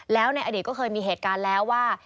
แล้วในอดีตก็เคยมีเหตุการณ์แล้วว่า